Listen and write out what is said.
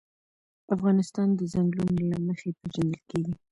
افغانستان د ځنګلونه له مخې پېژندل کېږي.